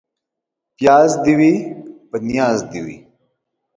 پياز دي وي ، په نياز دي وي.